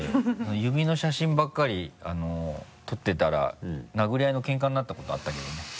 指の写真ばっかり撮ってたら殴り合いのケンカになったことあったけどね。